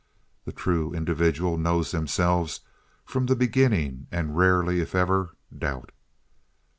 The truly individual know themselves from the beginning and rarely, if ever, doubt.